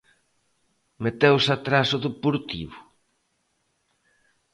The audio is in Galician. Meteuse atrás o Deportivo?